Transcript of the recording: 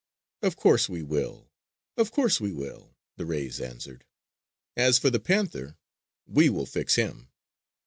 "Of course we will! Of course we will!" the rays answered. "As for the panther, we will fix him!"